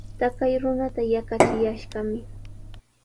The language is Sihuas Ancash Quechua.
Taqay runata yaqachiyashqami.